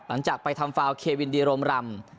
หลังจากไปทำฟาวเควินดีโรมรำ